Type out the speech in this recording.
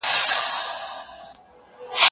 د موسى او خضر عليهما السلام قصه راته بيان سوې ده.